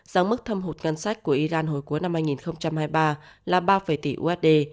giá mức thâm hụt ngân sách của iran hồi cuối năm hai nghìn hai mươi ba là ba tỷ usd